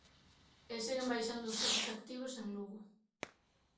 E seguen baixando os casos activos en Lugo.